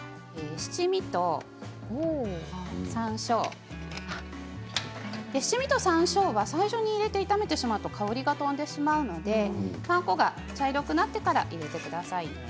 七味とさんしょうは最初に入れて炒めてしまうと香りが飛んでしまうのでパン粉が茶色くなってから入れてください。